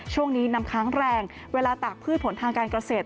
ช่วงนี้น้ำค้างแรงเวลาตากพืชผลทางการเกษตร